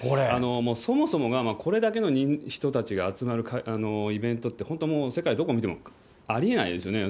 もうそもそもがこれだけの人たちが集まるイベントって、本当もう、世界どこ見てもありえないですよね。